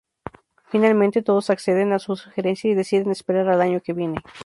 Finalmente todos acceden a su sugerencia y deciden esperar al año que viene.